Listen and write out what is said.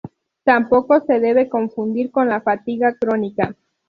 Tampoco se debe confundir con la fatiga crónica.